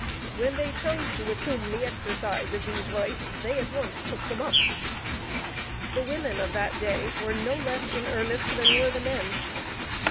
When they chose to assume the exercise of these rights, they at once took them up. The women of that day were no less in earnest than were the men.